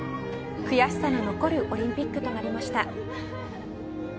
悔しさの残るオリンピックとなりました。